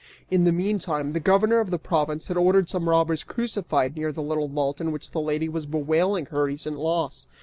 In the meantime the governor of the province had ordered some robbers crucified near the little vault in which the lady was bewailing her recent loss.